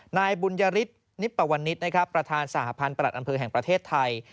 นายบุญญาริสนิปวณิสประธานสหพาลประหลัดอำเภอแห่งประเทศไทย